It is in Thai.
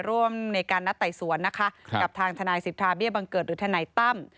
ร่วมในการนัดไต่สวนนะคะกับทางทนายสิทธาเบี้ยบังเกิดหรือทนายตั้ม